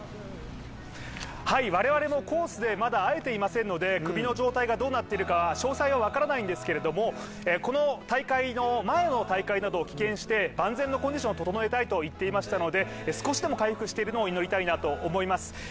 我々もコースでまだ会えていませんので首の状態がどうなっているか、詳細は分からないんですけどもこの大会の前の大会などを棄権して万全のコンディションを整えたいと言っていましたので、少しでも回復しているのを祈りたいなと思います。